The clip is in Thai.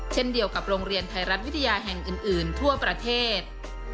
เช่นเดียวกับโรงเรียนไทยรัฐวิทยาแห่งอื่นทั่วประเทศ